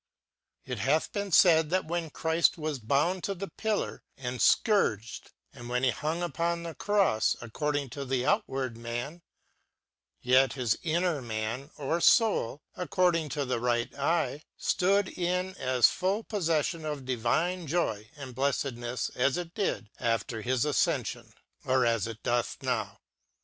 It hath been faid that when Chrift was bound to the pillar and fcourged, and when he hung upon the crofs, according to the out ward man, yet his inner man, or foul according to the right eye, ftood in as full pofleflion of divine joy and blefTed nefs ^s it did after his afcenfion, or as 20 Theologia Germanica. it doth now.